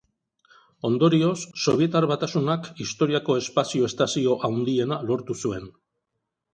Ondorioz Sobietar Batasunak historiako espazio estazio handiena lortu zuen.